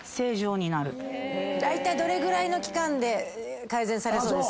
だいたいどれぐらいの期間で改善されそうです？